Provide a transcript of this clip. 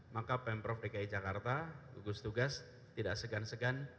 maka pemprov dki jakarta gugus tugas tidak segan segan